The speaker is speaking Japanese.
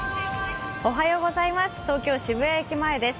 東京・渋谷駅前です。